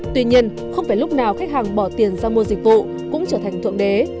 tuy nhiên không phải lúc nào khách hàng bỏ tiền ra mua dịch vụ cũng trở thành thượng đế